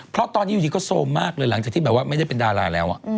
เพราะตอนนี้อยู่ดีก็โซมมากเลยหลังจากที่แบบว่าไม่ได้เป็นดาราแล้ว